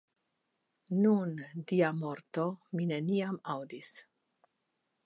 Nun, dia morto, mi neniam aŭdis !